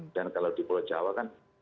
dan kalau di pulau jawa kan